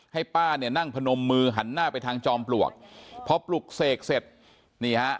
ให้ป้าเนี่ยนั่งพนมมือหันหน้าไปทางจอมปลวกพอปลุกเสกเสร็จนี่ฮะ